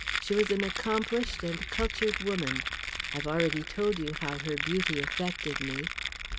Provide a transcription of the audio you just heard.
She was an accomplished and cultured woman. I've already told you how her beauty affected me."